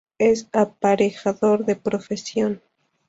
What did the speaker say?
Es aparejador de profesión.